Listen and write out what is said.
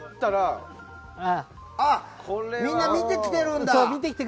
みんな見て来てくれてるんだ。